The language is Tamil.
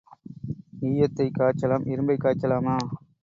ஈயத்தைக் காய்ச்சலாம் இரும்பைக் காய்ச்சலாமா?